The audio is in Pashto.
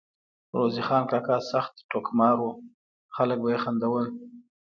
روزې خان کاکا سخت ټوکمار وو ، خلک به ئی خندول